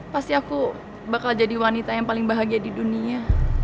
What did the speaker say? pasti aku bakal jadi wanita yang paling bahagia di dunia